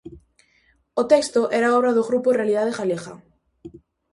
O texto era obra do grupo Realidade Galega.